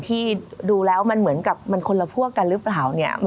ที่ดูแล้วมันเหมือนกับมันคนละพวกกันหรือเปล่าเนี่ย